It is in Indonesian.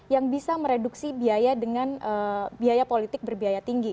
yang bisa mereduksi biaya dengan biaya politik berbiaya tinggi